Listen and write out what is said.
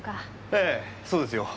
ええそうですよ。